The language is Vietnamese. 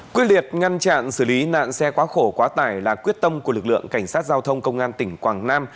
quyết liệt ngăn chặn xử lý nạn xe quá khổ quá tải là quyết tâm của lực lượng cảnh sát giao thông công an tỉnh quảng nam